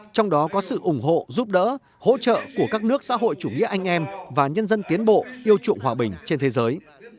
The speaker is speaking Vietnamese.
trong đó có sự ủng hộ giúp đỡ hỗ trợ của các nước xã hội chủ nghĩa anh em và nhân dân tiến bộ yêu trụng hòa bình trên thế giới